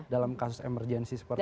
dalam kasus emergensi seperti ini